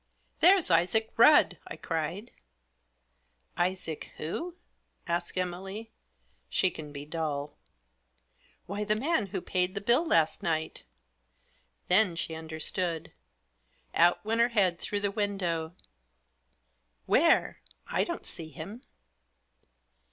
" There's Isaac Rudd I " I cried, M Isaac*— who ?" asked Emily, She can be dull " Why, the man who paid the bill last night" Then she understood. Out went her head through the window. " Where? I don't see him."